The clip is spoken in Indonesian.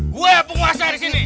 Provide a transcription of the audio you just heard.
gua yang penguasai disini